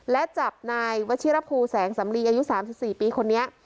และจับนายวชิระภูแสงสำลีอายุสามสิบสี่ปีคนนี้